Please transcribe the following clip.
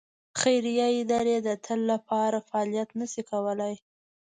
خیریه ادارې د تل لپاره فعالیت نه شي کولای.